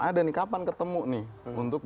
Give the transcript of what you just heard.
ada nih kapan ketemu nih untuk